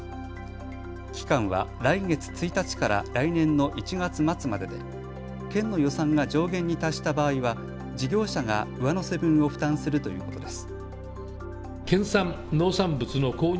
期間は来月１日から来年の１月末までで県の予算が上限に達した場合は事業者が上乗せ分を負担するということです。